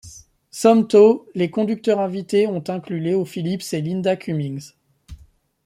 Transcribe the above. Somtow, les conducteurs invité ont inclus Léo Phillips et Linda Cummings.